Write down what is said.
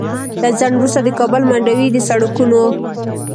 له ځنډ وروسته د کابل منډوي د سړکونو